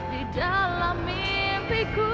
di dalam mimpiku